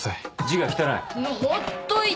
字が汚い。